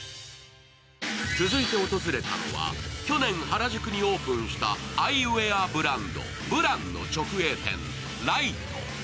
続いて訪れたのは去年原宿にオープンしたアイウェアブランド、ＢＬＡＮＣの直営店、ＬＨＩＴＥ。